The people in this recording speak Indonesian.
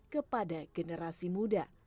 kepada generasi muda